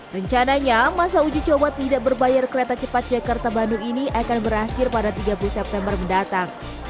rencananya masa uji coba tidak berbayar kereta cepat jakarta bandung ini akan berakhir pada tiga puluh september mendatang